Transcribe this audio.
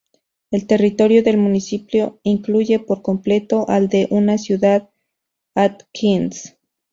El territorio del municipio incluye por completo al de una ciudad, Atkins.